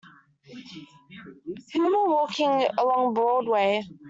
Who were walking along Broadway.